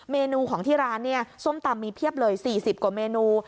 เมนูของที่ร้านเนี่ยส้มตำมีเพียบเลย๔๐กว่าเมนู